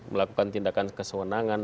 melakukan tindakan kesewenangan